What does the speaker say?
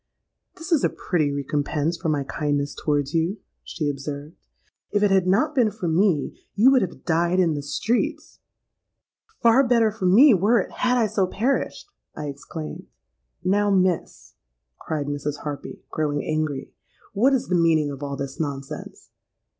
—'This is a pretty recompense for my kindness towards you,' she observed. 'If it had not been for me, you would have died in the streets.'—'Far better for me were it, had I so perished!' I exclaimed.—'Now, Miss,' cried Mrs. Harpy, growing angry, 'what is the meaning of all this nonsense?'